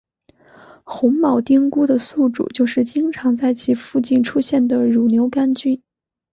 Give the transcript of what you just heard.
红铆钉菇的宿主就是经常在其附近出现的乳牛肝菌。